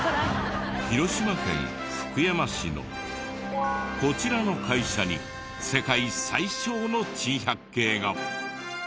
広島県福山市のこちらの会社に世界最小の珍百景が。